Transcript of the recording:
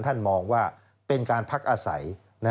มองว่าเป็นการพักอาศัย